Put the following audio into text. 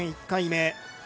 １回目